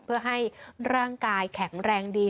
เพื่อให้ร่างกายแข็งแรงดี